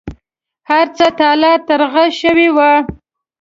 هرڅه تالا ترغه شوي و.